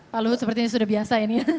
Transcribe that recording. pak luhut sepertinya sudah biasa ini ya